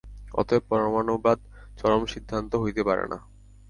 অতএব পরমাণুবাদ চরম সিদ্ধান্ত হইতে পারে না।